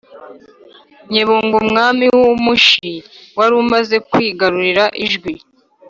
nyebunga, umwami w'umushi wari umaze kwigarurira ijwi.